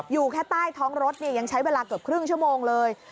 อยู่แค่ใต้ท้องรถเนี่ยยังใช้เวลาเกือบครึ่งชั่วโมงเลย